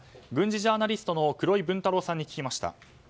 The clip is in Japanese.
軍事ジャーナリストの黒井文太郎さんに聞きました。